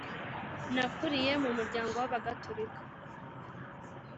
nakuriye mu muryango w ‘abagatolika,